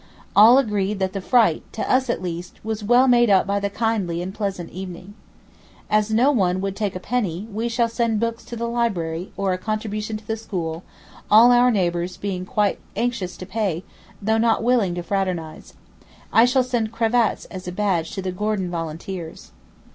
All agreed that the fright, to us at least, was well made up by the kindly and pleasant evening. As no one would take a penny, we shall send books to the library, or a contribution to the school, all our neighbours being quite anxious to pay, though not willing to fraternise. I shall send cravats as a badge to the "Gordon volunteers."